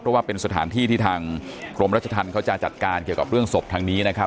เพราะว่าเป็นสถานที่ที่ทางกรมรัชธรรมเขาจะจัดการเกี่ยวกับเรื่องศพทางนี้นะครับ